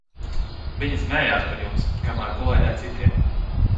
Viņa smējās par jums, kamēr gulēja ar citiem!